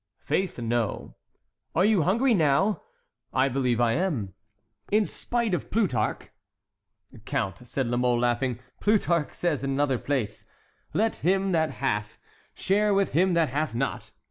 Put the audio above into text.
"Faith, no." "Are you hungry now?" "I believe I am." "In spite of Plutarch?" "Count," said La Mole, laughing, "Plutarch says in another place: 'Let him that hath, share with him that hath not.'